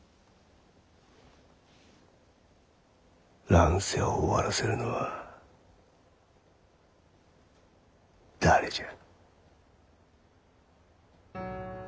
乱世を終わらせるのは誰じゃ。